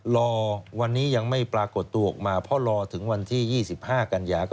รอวันนี้ยังไม่ปรากฏตัวออกมาเพราะรอถึงวันที่๒๕กันยา